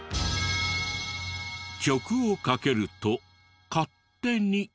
曲をかけると勝手に。